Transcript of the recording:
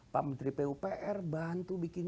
pak menteri pupr bantu bikin